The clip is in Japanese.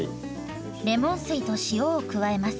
レモン水と塩を加えます。